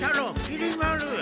きり丸！